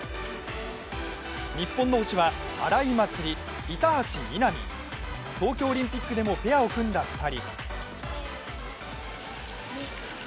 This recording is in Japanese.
日本の星は荒井祭里、板橋美波、東京オリンピックでもペアを組んだ２人。